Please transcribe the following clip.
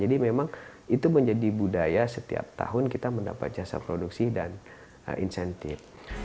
jadi memang itu menjadi budaya setiap tahun kita mendapat jasa produksi dan insentif